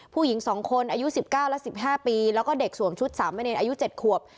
ผู้หญิง๒คนอายุ๑๙และ๑๕ปีแล้วก็เด็กสวมชุดสามเณรอายุ๗ขวบ